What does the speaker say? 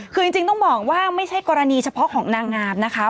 คือจริงต้องบอกว่าไม่ใช่กรณีเฉพาะของนางงามนะคะ